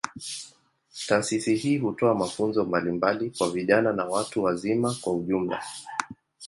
Taasisi hii hutoa mafunzo mbalimbali kwa vijana na watu wazima kwa ujumla.